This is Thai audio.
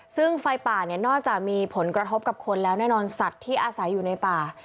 ซึ่งไฟป่าเนี่ยนอกจากมีผลกระทบกับคนแล้วแน่นอนสัตว์ที่อาศัยอยู่ในป่า